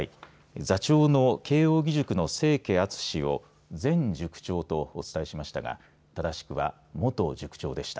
座長の慶応義塾の清家篤を前塾長とお伝えしましたがただしくは元塾長でした。